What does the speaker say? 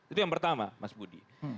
itu yang pertama mas budi